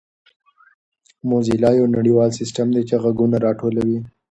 موزیلا یو نړیوال سیسټم دی چې ږغونه راټولوي.